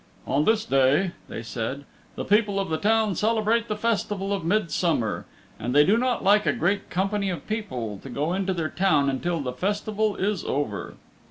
"On this day," they said, "the people of the Town celebrate the Festival of Midsummer, and they do not like a great company of people to go into their Town until the Festival is over."